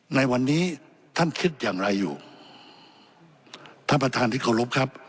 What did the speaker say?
ในวันนี้ท่านคิดอย่างไรอยู่ท่านประธานที่เคารพครับ